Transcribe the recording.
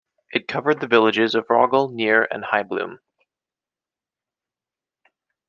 It covered the villages of Roggel, Neer, and Heibloem.